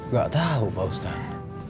gak tau pak ustad